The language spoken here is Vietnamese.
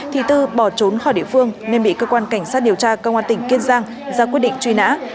thì tư bỏ trốn khỏi địa phương nên bị cơ quan cảnh sát điều tra công an tỉnh kiên giang ra quyết định truy nã